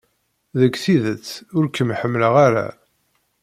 Deg tidet, ur kem-ḥemmleɣ ara.